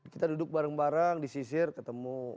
kita duduk bareng bareng disisir ketemu